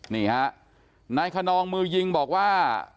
นี่ฮะนายคนนองมือยิงบอกว่า